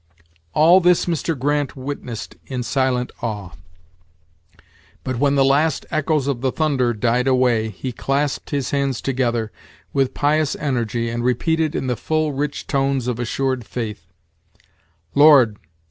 All this Mr. Grant witnessed in silent awe; but when the last echoes of the thunder died away he clasped his bands together, with pious energy, and repeated, in the full, rich tones of assured faith; "Lord!